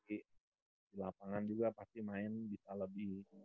di lapangan juga pasti main bisa lebih